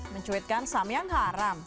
mencuitkan samyang haram